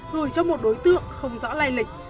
gửi cho một đối tượng không rõ lai lịch